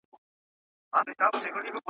زه اوس ليکلي پاڼي ترتيب کوم!